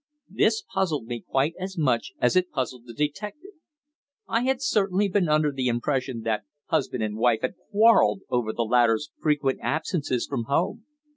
'" This puzzled me quite as much as it puzzled the detective. I had certainly been under the impression that husband and wife had quarrelled over the latter's frequent absences from home.